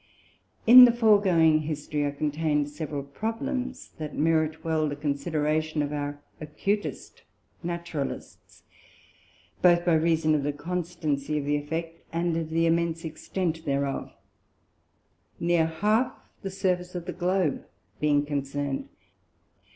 In the foregoing History are contained several Problems, that merit well the Consideration of our acutest Naturalists, both by reason of the constancy of the Effect, and of the immense Extent thereof; near half the Surface of the Globe being concerned.